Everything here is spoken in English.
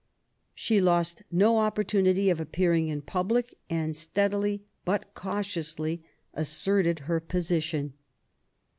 She lost no opportunity of appearing in public, and steadily, but cautiously, asserted her position.